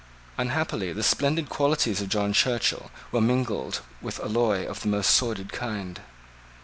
Unhappily the splendid qualities of John Churchill were mingled with alloy of the most sordid kind.